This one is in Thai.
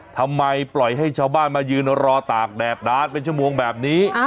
ทำไมปล่อยให้ชาวบ้านมายืนรอตากแดดนานเป็นชั่วโมงแบบนี้